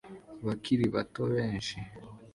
Abakiri bato benshi